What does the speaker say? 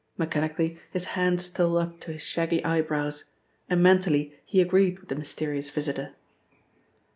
Mechanically his hand stole up to his shaggy eyebrows and mentally he agreed with the mysterious visitor.